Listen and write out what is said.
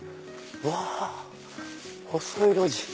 うわ細い路地！